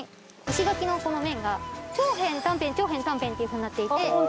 石垣のこの面が長辺短辺長辺短辺っていうふうになっていて。